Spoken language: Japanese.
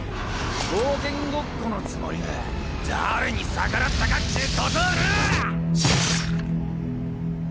冒険ごっこのつもりが誰に逆らったかっちゅうことをのぉ！